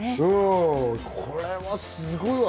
これはすごいわ。